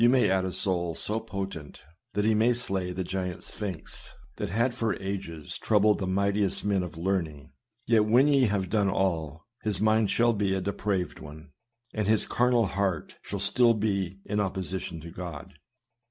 may add a soul so potent, that he may slay the giant Sphinx, that had for ages troubled the mightiest men of learning ; yet, when ye have done all, his mind shall be a depraved one, and his carnal heart shall still be in opposition to God.